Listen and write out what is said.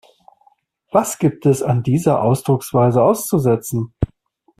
Was gibt es an dieser Ausdrucksweise auszusetzen?